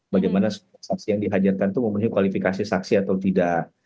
bagaimana saksi yang dihadirkan itu memenuhi kualifikasi saksi atau tidak